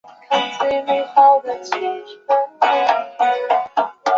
年号有永平。